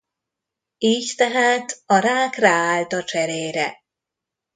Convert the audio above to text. Így tehát a rák ráállt a cserére.